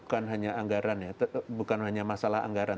bukan hanya anggaran ya bukan hanya masalah anggaran